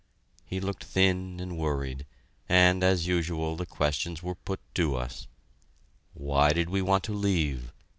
He looked thin and worried, and, as usual, the questions were put to us "Why did we want to leave?"